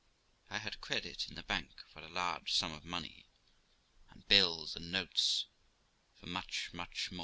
I had credit in the bank for a large sum of money, and bills and notes for much more.